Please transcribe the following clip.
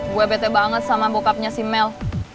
gue bete banget sama bokapnya si mel